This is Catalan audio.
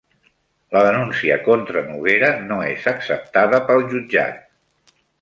La denúncia contra Noguera no és acceptada pel jutjat